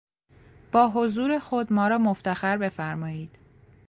با حضور خود ما را مفتخر بفرمایید.